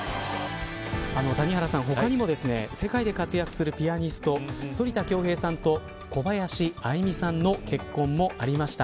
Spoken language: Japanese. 谷原さん、他にも世界で活躍するピアニスト反田恭平さんと小林愛実さんの結婚もありました。